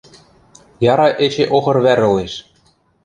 Яра эче охыр вӓр ылеш.